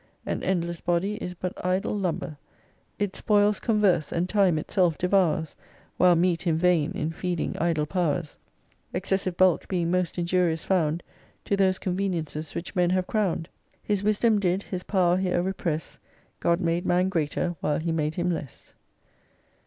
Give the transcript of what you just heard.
An endless body is but idle lumber : It spoils converse, and time itself devours. While meat in vain, in feeding idle powers ; Excessive bulk being most injurious found, To those conveniences which men have crowned : His wisdom did His power here repress, God made man greater while He made him less.